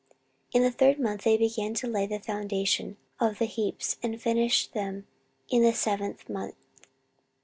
14:031:007 In the third month they began to lay the foundation of the heaps, and finished them in the seventh month.